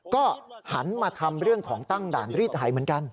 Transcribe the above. ก็หันมาทำเรื่องของตั้งด่านรีดหายเหมือนกัน